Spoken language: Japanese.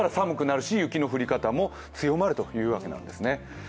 ですから寒くなるし雪の降り方も強まるというわけなんですね。